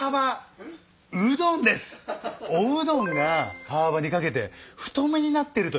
おうどんが川幅に掛けて太麺になってるという。